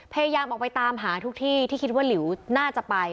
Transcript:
พยายามออกไปตามหาทุกที่ที่คิดว่าหลิวน่าจะไป